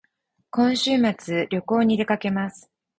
今週末旅行に出かけます